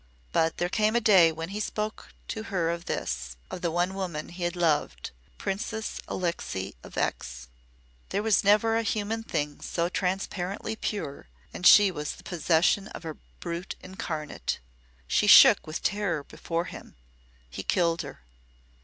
But there came a day when he spoke to her of this of the one woman he had loved, Princess Alixe of X : "There was never a human thing so transparently pure, and she was the possession of a brute incarnate. She shook with terror before him. He killed her."